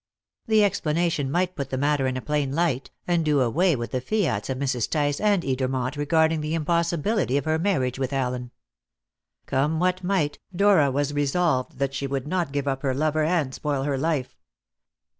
That explanation might put the matter in a plain light, and do away with the fiats of Mrs. Tice and Edermont regarding the impossibility of her marriage with Allen. Come what might, Dora was resolved that she would not give up her lover and spoil her life.